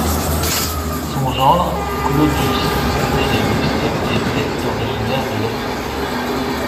Son gendre Claudius Pompeianus était originaire de la cité.